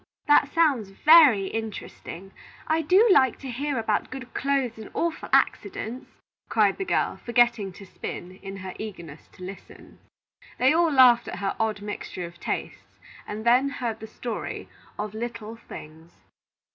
"That sounds very interesting. I do like to hear about good clothes and awful accidents," cried the girl, forgetting to spin, in her eagerness to listen. They all laughed at her odd mixture of tastes, and then heard the story of LITTLE THINGS.